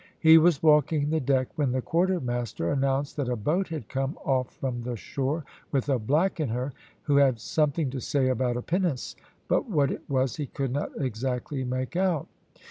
He was walking the deck, when the quartermaster announced that a boat had come off from the shore with a black in her, who had something to say about a pinnace, but what it was he could not exactly make out.